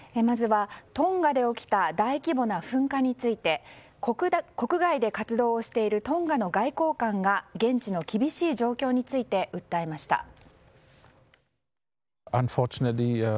まずはトンガで起きた大規模な噴火について国外で活動をしているトンガの外交官が現地の厳しい状況について訴えました。